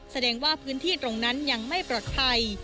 แสดงว่าพื้นที่ตรงนั้นยังไม่ปลอดภัย